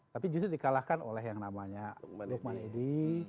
tapi justru di kalahkan oleh yang namanya lukman edi